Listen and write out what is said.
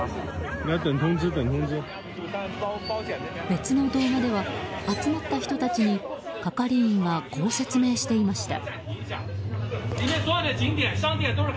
別の動画では集まった人たちに係員がこう説明していました。